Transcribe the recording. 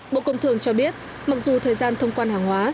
bộ công thương cho biết mặc dù thời gian thông quan hàng hóa